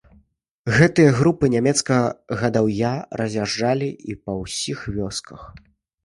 Гэтыя групы нямецкага гадаўя раз'язджалі і па ўсіх вёсках.